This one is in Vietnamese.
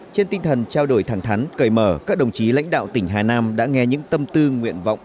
trên tinh thần trao đổi thẳng thắn cởi mở các đồng chí lãnh đạo tỉnh hà nam đã nghe những tâm tư nguyện vọng